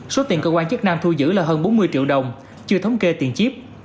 số tiền cơ quan chức năng thu giữ là hơn bốn mươi triệu đồng chưa thống kê tiền chip